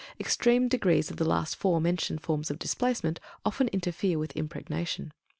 Extreme degrees of the last four mentioned forms of displacement often interfere with impregnation.